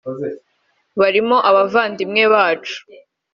barimo abavandimwe bacu